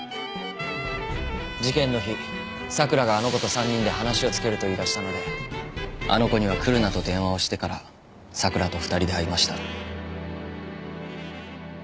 事件の日咲良があの子と３人で話をつけると言い出したのであの子には来るなと電話をしてから咲良と２人で会いました。